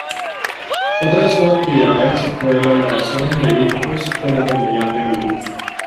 Otra de sus actividades fue la grabación de discos como comediante en vivo.